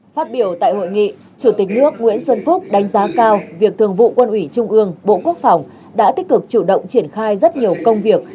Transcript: phát biểu tại hội nghị chủ tịch nước nguyễn xuân phúc đánh giá cao việc thường vụ quân ủy trung ương bộ quốc phòng đã tích cực chủ động triển khai rất nhiều công việc